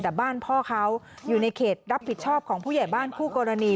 แต่บ้านพ่อเขาอยู่ในเขตรับผิดชอบของผู้ใหญ่บ้านคู่กรณี